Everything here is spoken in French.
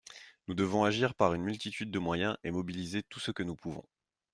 Nous devons agir par une multitude de moyens et mobiliser tout ce que nous pouvons.